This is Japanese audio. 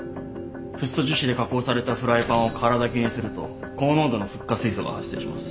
フッ素樹脂で加工されたフライパンを空だきにすると高濃度のフッ化水素が発生します。